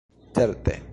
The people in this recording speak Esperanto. Certe.